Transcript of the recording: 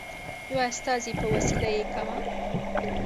یوه استازي په وسیله یې کاوه.